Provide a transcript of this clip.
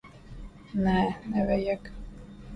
Nē, nevajag.